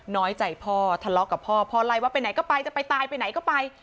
น้อยใจพ่อทะเลาะกับพ่อพ่อไล่ว่าไปไหนก็ไปจะไปตายไปไหนก็ไป